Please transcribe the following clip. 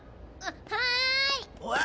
はい。